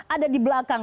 ada di belakang